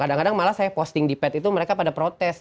kadang kadang malah saya posting di ped itu mereka pada protes